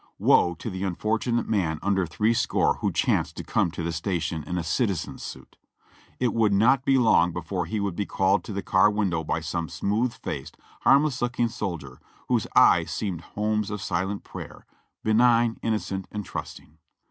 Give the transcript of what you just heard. Woe to the unfortunate man under three score who chanced to come to the station in a citizen's suit. It would not be long before he would be called, to the car window by some smooth faced, harmless looking soldier, whose eyes seemed "homes of silent prayer," benign, innocent and trusting.